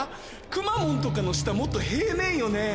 くまモンとかの舌もっと平面よね？